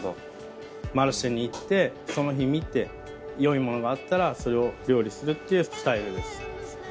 マルシェに行ってその日見て良いものがあったらそれを料理するっていうスタイルです。